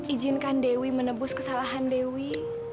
izinkan dewi menebus kesalahan dewi